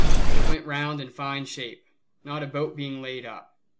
It went round in fine shape, not a boat being laid up.